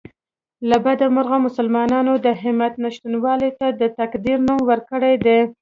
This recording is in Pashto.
له بده مرغه مسلمانانو د همت نشتوالي ته د تقدیر نوم ورکړی دی